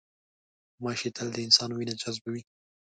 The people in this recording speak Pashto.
غوماشې تل د انسان وینه جذبوي.